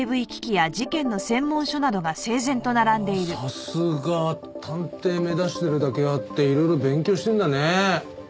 さすが探偵目指してるだけあっていろいろ勉強してるんだねえ。